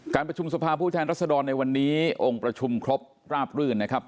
ประชุมสภาผู้แทนรัศดรในวันนี้องค์ประชุมครบราบรื่นนะครับ